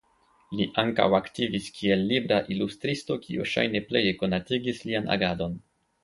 Li ankaŭ aktivis kiel libra ilustristo kio ŝajne pleje konatigis lian agadon.